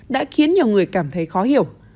đã khiến nhiều người cảm thấy khó hiểu